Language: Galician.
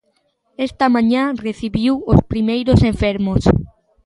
Esta mañá recibiu os primeiros enfermos.